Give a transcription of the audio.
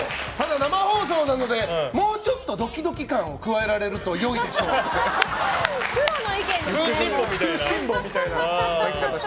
生放送なのでもうちょっとドキドキ感を加えられるといいでしょうって。